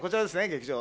劇場。